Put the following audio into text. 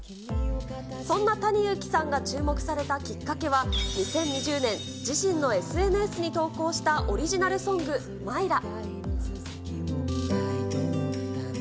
そんなタニ・ユウキさんが注目されたきっかけは、２０２０年、自身のＳＮＳに投稿したオリジナルソング、マイラ。